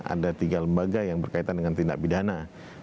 ada tiga lembaga yang berkaitan dengan tindak pidana